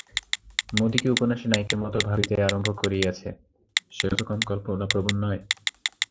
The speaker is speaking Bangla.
মতিকে উপন্যাসের নায়িকার মতো ভাবিতে আরম্ভ করিয়াছে, সেও তো কম কল্পনাপ্রবণ নয়।